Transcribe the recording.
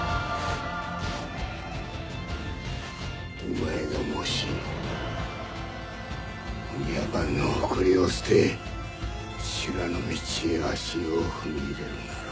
お前がもし御庭番の誇りを捨て修羅の道へ足を踏み入れるなら。